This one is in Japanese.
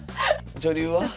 女流は？